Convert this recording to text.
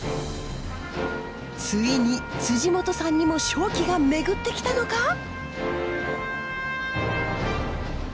ついに本さんにも勝機が巡ってきたのか？